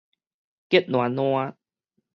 激爛爛